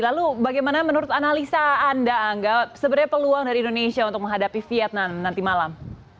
lalu bagaimana menurut analisa anda angga sebenarnya peluang dari indonesia untuk menghadapi vietnam nanti malam